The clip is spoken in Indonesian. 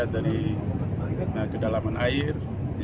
dari kedalaman air